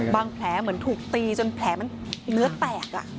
แผลเหมือนถูกตีจนแผลมันเนื้อแตก